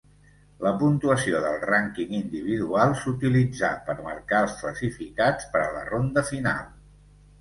La puntuació del rànquing individual s'utilitzà per marcar els classificats per a la ronda final.